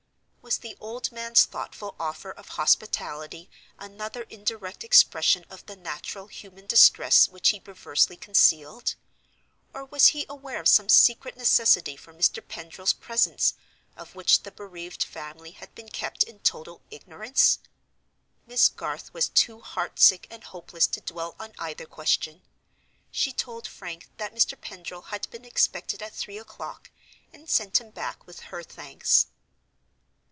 Was the old man's thoughtful offer of hospitality another indirect expression of the natural human distress which he perversely concealed? or was he aware of some secret necessity for Mr. Pendril's presence, of which the bereaved family had been kept in total ignorance? Miss Garth was too heart sick and hopeless to dwell on either question. She told Frank that Mr. Pendril had been expected at three o'clock, and sent him back with her thanks.